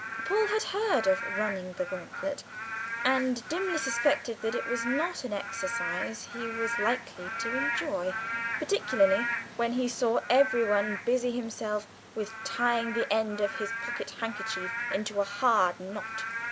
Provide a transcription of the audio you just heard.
Paul had heard of "running the gauntlet," and dimly suspected that it was not an experience he was likely to enjoy, particularly when he saw everyone busying himself with tying the end of his pocket handkerchief into a hard knot.